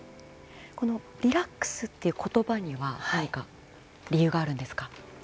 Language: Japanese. リラックスという言葉には何か理由があるんですか？